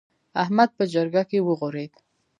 احمد په جرګه کې وغورېد.